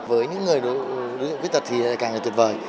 với những người đối diện quyết tật thì càng là tuyệt vời